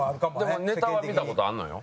でもネタは見た事あるのよ。